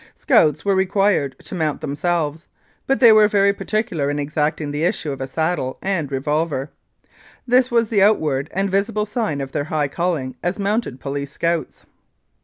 Scouts were required to mount themselves, but they were very particular in exacting the issue of a saddle and revolver. This was the outward and visible sign of their high calling as Mounted Police Scouts.